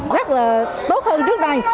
rất là tốt hơn trước đây